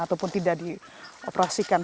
ataupun tidak dioperasikan